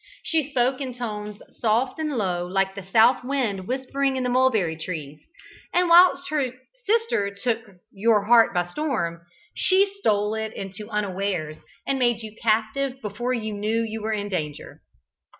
She spoke in tones soft and low like the south wind whispering in the mulberry trees, and whilst her sister took your heart by storm, she stole into it unawares, and made you captive before you knew you were in danger.